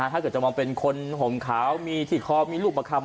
ถ้าเกิดจะมองเป็นคนห่มขาวมีที่คอมีรูปประคำ